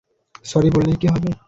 Sorry বললেই কি হবে?